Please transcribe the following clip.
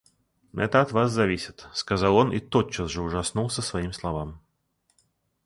Это от вас зависит, — сказал он и тотчас же ужаснулся своим словам.